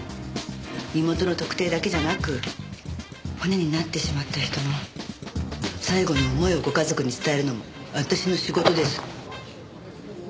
身元の特定だけじゃなく骨になってしまった人の最後の思いをご家族に伝えるのも私の仕事です。